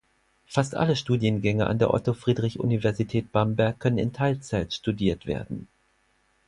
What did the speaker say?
Fast alle Studiengänge an der Otto-Friedrich-Universität Bamberg können in Teilzeit studiert werden.